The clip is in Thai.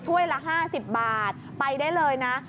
้วยละ๕๐บาทไปได้เลยนะ